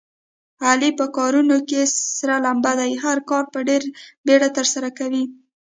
علي په کارونو کې سره لمبه دی. هر کار په ډېره بیړه ترسره کوي.